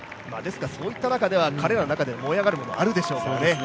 そういった中で、彼らの中では燃え上がるものがあるでしょうからね。